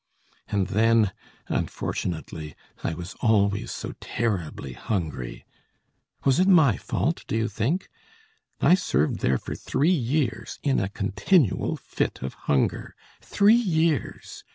And then, unfortunately, I was always so terribly hungry. Was it my fault, do you think? I served there for three years, in a continual fit of hunger. Three years!